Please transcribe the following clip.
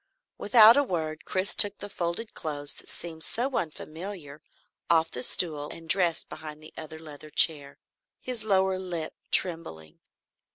Without a word, Chris took the folded clothes that seemed so unfamiliar off the stool and dressed behind the other leather chair, his lower lip trembling.